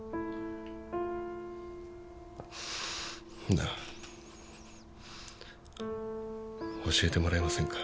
なあ教えてもらえませんか？